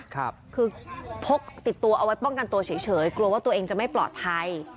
คือพกติดตัวเอาไว้ป้องกันตัวเฉยกลัวว่าตัวเองจะไม่ปลอดภัย